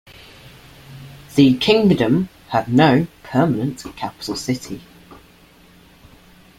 The kingdom had no permanent capital city.